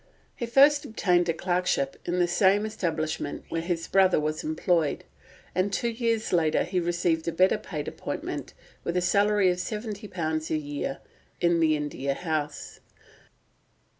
He first obtained a clerkship in the same establishment where his brother was employed, and two years later he received a better paid appointment, with a salary of £70 a year, in the India House.